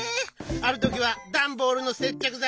あるときはダンボールのせっちゃくざい。